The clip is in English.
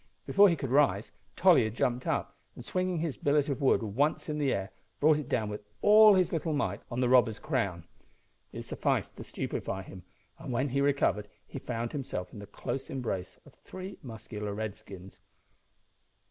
Before he could rise Tolly had jumped up, and swinging his billet of wood once in the air, brought it down with all his little might on the robber's crown. It sufficed to stupefy him, and when he recovered he found himself in the close embrace of three muscular Redskins.